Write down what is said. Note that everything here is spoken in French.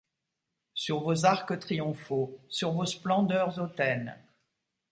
Sur vos arcs triomphaux, sur vos splendeurs hautaines